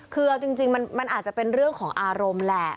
คือเอาจริงมันอาจจะเป็นเรื่องของอารมณ์แหละ